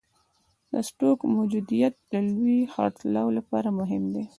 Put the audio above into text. د سټوک موجودیت د لوی خرڅلاو لپاره مهم دی.